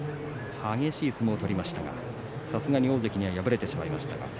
激しい相撲を取りましたがさすがに大関には敗れてしまいました。